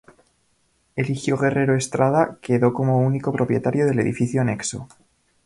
Eligio Guerrero Estrada quedó como único propietario del edifico anexo.